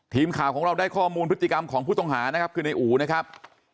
ทีมข่าวของเราได้ข้อมูลพฤติกรรมของผู้ต้องหานะครับคือในอู๋นะครับ